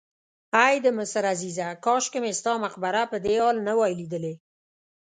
ای د مصر عزیزه کاشکې مې ستا مقبره په دې حال نه وای لیدلې.